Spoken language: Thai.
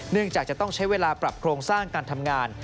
จากจะต้องใช้เวลาปรับโครงสร้างการทำงาน